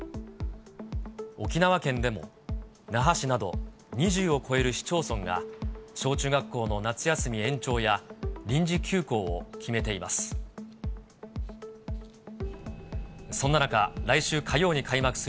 沖縄県でも、那覇市など２０を超える市町村が、小中学校の夏休み延長や臨時休校を決めています。